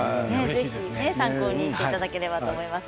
参考にしていただきたいと思います。